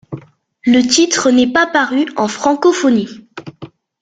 Le titre n'est pas paru en francophonie.